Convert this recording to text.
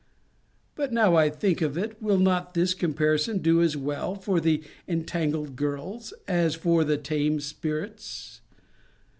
But now I think of it, will not this comparison do as well for the entangled girls, as for the tame spirits?